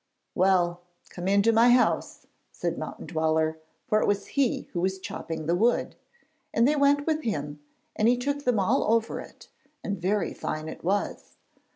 "' 'Well, come into my house,' said Mountain Dweller, for it was he who was chopping the wood, and they went with him and he took them all over it, and very fine it was.